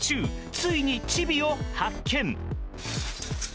ついにチビを発見。